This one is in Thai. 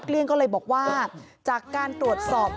มีเรื่องอะไรมาคุยกันรับได้ทุกอย่าง